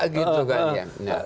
gitu kan ya